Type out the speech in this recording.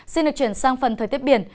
xin được chuyển sang phần thời tiết biển